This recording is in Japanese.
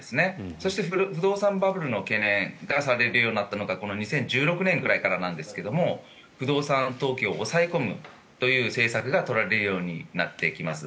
そして、不動産バブルの懸念がされるようになったのがこの２０１６年ぐらいからなんですが不動産投機を抑え込むという政策が取られるようになってきます。